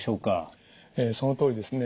そのとおりですね。